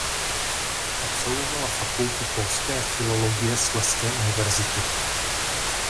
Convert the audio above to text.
Absolvovala Fakultu polské filologie Slezské univerzity.